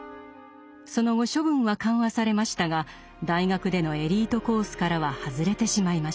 その後処分は緩和されましたが大学でのエリートコースからは外れてしまいました。